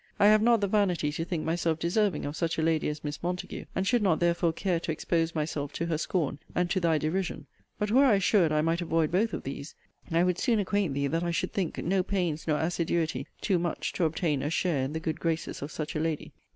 I have not the vanity to think myself deserving of such a lady as Miss Montague; and should not therefore care to expose myself to her scorn and to thy derision. But were I assured I might avoid both of these, I would soon acquaint thee that I should think no pains nor assiduity too much to obtain a share in the good graces of such a lady.